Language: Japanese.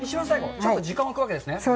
ちょっと時間を置くわけですね。